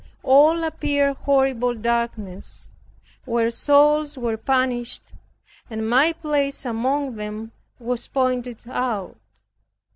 All appeared horrible darkness, where souls were punished, and my place among them was pointed out.